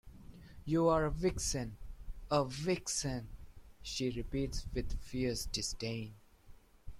"You are a vixen, a vixen!" she repeats with fierce disdain.